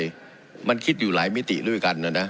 จะทำยังไงมันคิดอยู่หลายมิติด้วยกันนะน่ะ